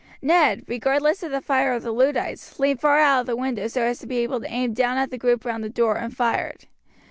Ned, regardless of the fire of the Luddites, leaned far out of the window so as to be able to aim down at the group round the door, and fired.